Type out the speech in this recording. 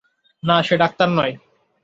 না, সে ডাক্তার নয়।